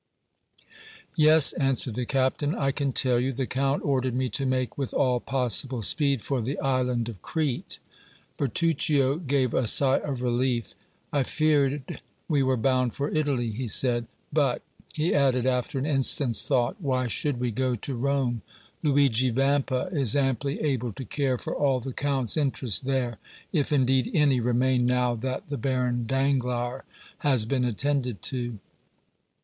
"Yes," answered the captain, "I can tell you. The Count ordered me to make with all possible speed for the Island of Crete." Bertuccio gave a sigh of relief. "I feared we were bound for Italy," he said. "But," he added, after an instant's thought, "why should we go to Rome? Luigi Vampa is amply able to care for all the Count's interests there, if, indeed, any remain now that the Baron Danglars has been attended to."